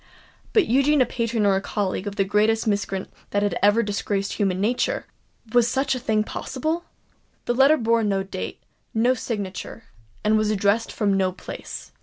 But Eugene a patron or colleague of the greatest miscreant that had ever disgraced human nature! Was such a thing possible? The letter bore no date—no signature—and was addressed from no place.